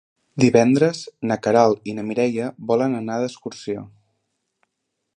Divendres na Queralt i na Mireia volen anar d'excursió.